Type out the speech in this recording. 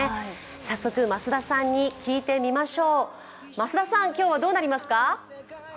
早速、増田さんに聞いてみましょう増田さん、今日はどうなりますか？